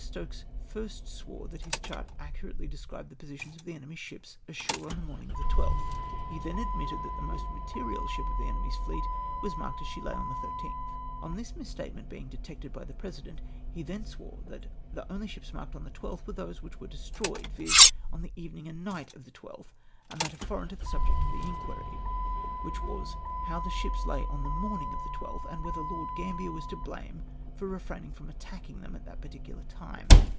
Stokes first swore that liis chart accurately described the positions of the enemy's ships ashore on the morning of tlte 12th. He then admitted that the most material ship of the enemy's fleet was marked as she lay on the loth !! On this mis statement being detected l;)y the president, lie then swore that the only ships marked on the 12th were ^^/w.^t' ivhich icere destroyed^ viz. on the evening and night of the 12th I — a matter foreign to the subject of inquiry ; which was how the ships lag on the morning of the 12th, and. whether Lord Gambler was to blame for refraining from attaching them at that particular time?